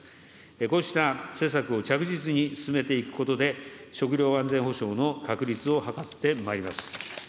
こうした施策を着実に進めていくことで、食料安全保障の確立を図ってまいります。